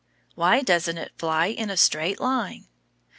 Why doesn't it fly in a straight line?